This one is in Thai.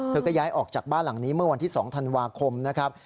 ก็ย้ายออกจากบ้านหลังนี้เมื่อวันที่๒ธันวาคมนะครับ